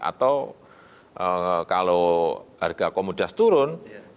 atau kalau harga komodas turun